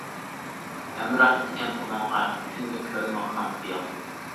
ھەمراھ ئىكەن ئۇنىڭغا، كۈندە كۈرمىڭ خام خىيال.